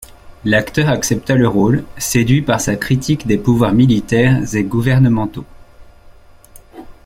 L'acteur accepta le rôle, séduit par sa critique des pouvoirs militaires et gouvernementaux.